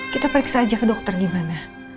kita periksa aja ke dokter gimana